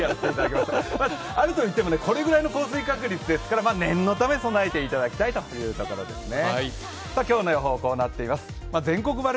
あるといってもこれぐらいの降水確率ですので念のため備えていただきたいということですね。